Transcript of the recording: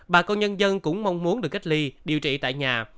bà con nhân dân cũng mong muốn được cách ly điều trị tại nhà